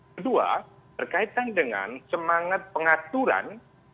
kedua berkaitan dengan semangat pengaturan